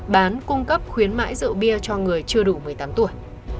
ba bán cung cấp khuyến mãi rượu bia cho người chưa đủ một mươi tám tuổi